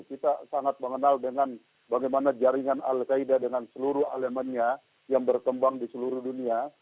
kita sangat mengenal dengan bagaimana jaringan al qaeda dengan seluruh elemennya yang berkembang di seluruh dunia